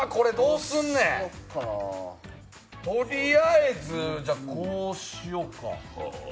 とりあえず、こうしようか。